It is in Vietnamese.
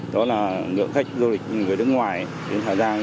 đó là lượng khách du lịch người nước ngoài đến hà giang